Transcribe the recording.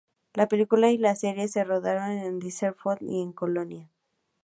La película y la serie se rodaron en Düsseldorf y en Colonia.